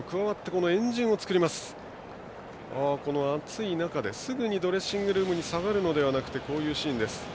この暑い中ですぐにドレッシングルームに下がるのではなくてこういうシーンです。